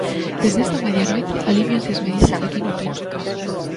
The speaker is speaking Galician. Dende esta medianoite alívianse as medidas aquí no Pino.